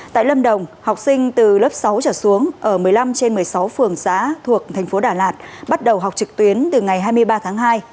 tại lâm đồng học sinh từ lớp sáu trở xuống ở một mươi năm trên một mươi sáu phường xã thuộc thành phố đà lạt bắt đầu học trực tuyến từ ngày hai mươi ba tháng hai